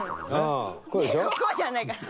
こうじゃないから。